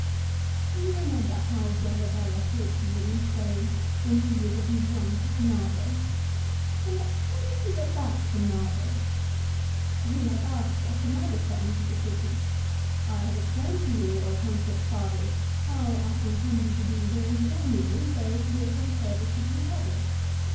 "Do you remember how Dolabella fought for you in Spain, when you were getting drunk at Narbo ? And how did you get back from Narbo ? He has asked as to my return to the city. I have explained to you, conscript fathers, how I had intended to be here in January, so as to be THE PHILIPPICS. 24$ of some service to the Eepublic.